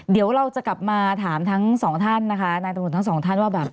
เดี๋ยวเราจะกลับมาถามทั้งสองท่านนะคะนายตำรวจทั้งสองท่านว่าแบบ